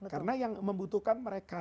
karena yang membutuhkan mereka